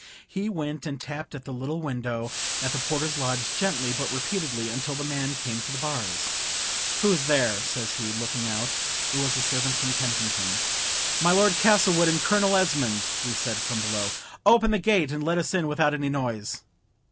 He went and tapped at the little window at the porter's lodge, gently, but repeatedly, until the man came to the bars. "Who's there?" says he, looking out; it was the servant from Kensington. "My Lord Castlewood and Colonel Esmond," we said, from below. "Open the gate and let us in without any noise."